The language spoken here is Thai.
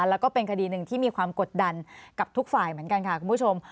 แล้วก็เป็นคดีหนึ่งที่มีความกดดันกับทุกฝ่ายเหมือนกันค่ะคุณผู้ชม